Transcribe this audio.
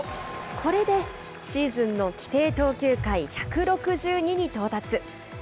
これでシーズンの規定投球回１６２に到達。